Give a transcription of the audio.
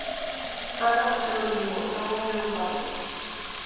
Fagan o que eu digo, non o que eu fago.